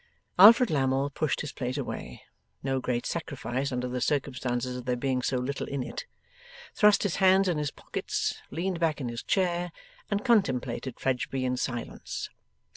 Alfred Lammle pushed his plate away (no great sacrifice under the circumstances of there being so little in it), thrust his hands in his pockets, leaned back in his chair, and contemplated Fledgeby in silence.